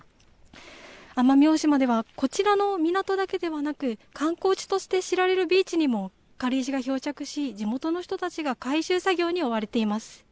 奄美大島では、こちらの港だけではなく、観光地として知られるビーチにも、軽石が漂着し、地元の人たちが回収作業に追われています。